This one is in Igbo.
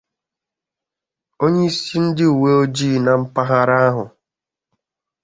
onyeisi ndị uweojii na mpaghara ahụ